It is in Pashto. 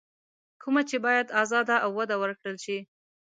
کومه چې بايد ازاده او وده ورکړل شي.